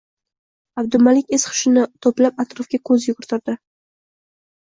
Abdumalik es-hushini to`plab atrofga ko`z yugurtirdi